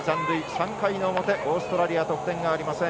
３回の表オーストラリア得点がありません